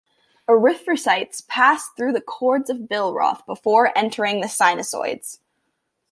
Erythrocytes pass through the cords of Billroth before entering the sinusoids.